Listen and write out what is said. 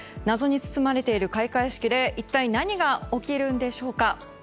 謎に包まれている開会式で一体何が起きるんでしょうか。